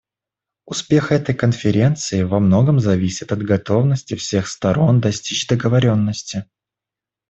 Успех этой Конференции во многом зависит от готовности всех сторон достичь договоренности.